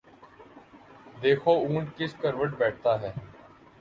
دیکھو اونٹ کس کروٹ بیٹھتا ہے ۔